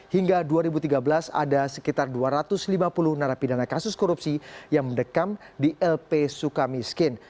hingga dua ribu tiga belas ada sekitar dua ratus lima puluh narapidana kasus korupsi yang mendekam di lp suka miskin